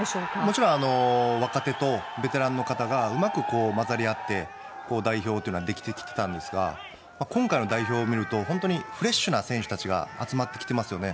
もちろん若手とベテランの方がうまく混ざり合って代表というのはできてきていたんですが今回の代表を見るとフレッシュな選手たちが集まってきてますよね。